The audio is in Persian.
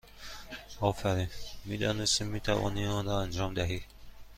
آفرین! می دانستیم می توانی آن را انجام دهی!